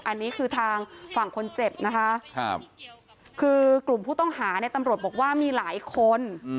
อันนี้คือทางฝั่งคนเจ็บนะคะคือกลุ่มผู้ต้องหาเนี่ยตำรวจบอกว่ามีหลายคน